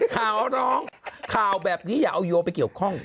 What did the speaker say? ข่าวร้องข่าวแบบนี้อย่าเอาโยไปเกี่ยวข้อง